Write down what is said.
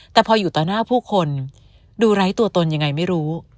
แต่พออยู่ต่อหน้าผู้คนดูไร้ตัวตนยังไงไม่รู้